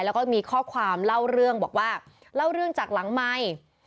แล้วก็มีข้อความเล่าเรื่องบอกว่าเล่าเรื่องจากหลังไมค์